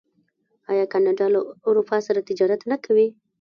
آیا کاناډا له اروپا سره تجارت نه کوي؟